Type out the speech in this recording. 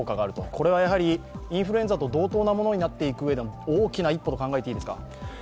これはインフルエンザと同等なものになっていくうえでも大きな一歩と考えていいですか。